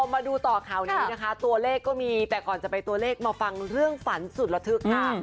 มาดูต่อข่าวนี้นะคะตัวเลขก็มีแต่ก่อนจะไปตัวเลขมาฟังเรื่องฝันสุดระทึกค่ะ